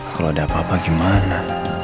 kalau ada apa apa gimana